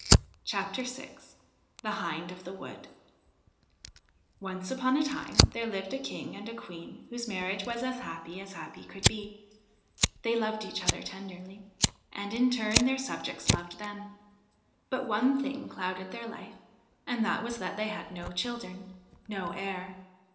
THE HIND OF THE WOOD THE HIND OF THE WOOD A FRENCH FAIRY TALE ONCE upon a time there lived a King and a Queen whose marriage was as happy as happy could be ; they loved each other tenderly, and, in turn, their subjects loved them ; but one thing clouded their life : and that was that they had no children, no heir.